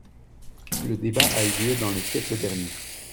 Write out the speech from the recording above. Le débat a eu lieu dans les siècles derniers.